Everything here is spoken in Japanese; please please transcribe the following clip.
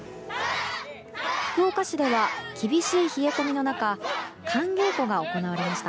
福岡市では厳しい冷え込みの中寒稽古が行われました。